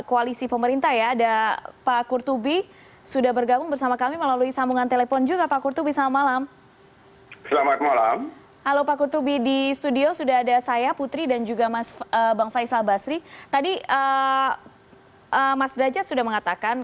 untuk mengangkut barang barang